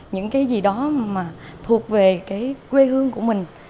những cái gì đó mà thuộc về cái quê hương của mình